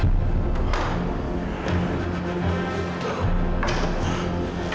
saya akan untuk ini